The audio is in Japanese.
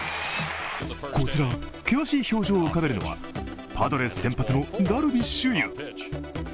こちら、険しい表情を浮かべるのはパドレス先発のダルビッシュ有。